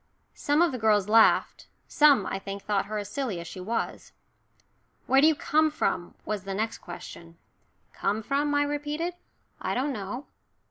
Some of the girls laughed, some, I think, thought her as silly as she was. "Where do you come from?" was the next question. "Come from?" I repeated. "I don't know."